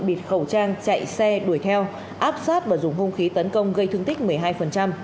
bịt khẩu trang chạy xe đuổi theo áp sát và dùng hung khí tấn công gây thương tích một mươi hai